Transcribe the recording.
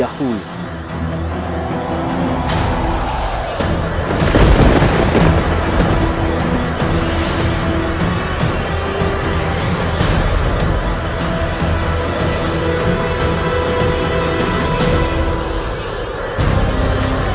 aku anda inter'in